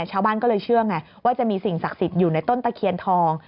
ชาวบ้านก็เลยเชื่อไงว่าจะมีสิ่งศักดิ์สิทธิ์อยู่ในต้นตะเคียนทอง